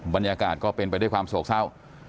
บรรยากาศก็เป็นไปด้วยความโศกเศร้า